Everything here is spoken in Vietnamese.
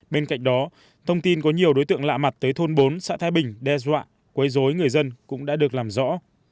bên cạnh đó thông tin có nhiều đối tượng lạ mặt tới thôn bốn xã thái bình đe dọa quấy dối người dân cũng đã được làm rõ